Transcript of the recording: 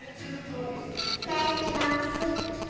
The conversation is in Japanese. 大好きマックス。